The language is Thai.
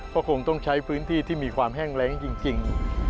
ก็คงต้องใช้พื้นที่ที่มีความแห้งแรงจริง